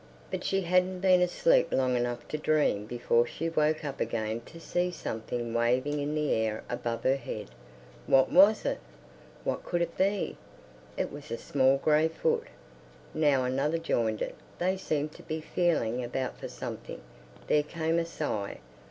But she hadn't been asleep long enough to dream before she woke up again to see something waving in the air above her head. What was it? What could it be? It was a small grey foot. Now another joined it. They seemed to be feeling about for something; there came a sigh.